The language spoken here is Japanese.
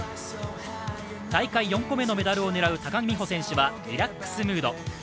大会４個目のメダルを狙う高木美帆選手はリラックスモード。